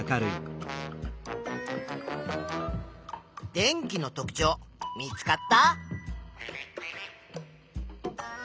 電気の特ちょう見つかった？